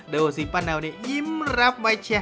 เดิ้วสิปั้นเอานี้ยิ้มรับไว้เชีย